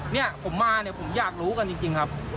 นี่ผมมาผมอยากรู้กันจริงครับ